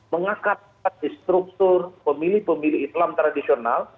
mengakar di struktur pemilih pemilih islam tradisional